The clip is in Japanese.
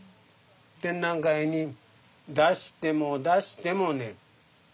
展覧会に出しても出してもね